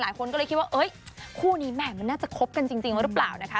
หลายคนก็เลยคิดว่าคู่นี้แหม่มันน่าจะคบกันจริงไว้หรือเปล่านะคะ